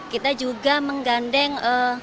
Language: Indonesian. kita juga menggandeng